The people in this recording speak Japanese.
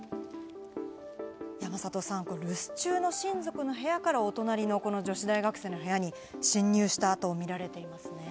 山里さん、留守中の親族の部屋からお隣の、この女子大学生の部屋に侵入したとみられていますね。